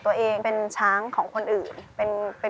ชื่องนี้ชื่องนี้ชื่องนี้ชื่องนี้ชื่องนี้